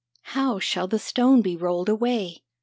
" How shall the stone be rolled away?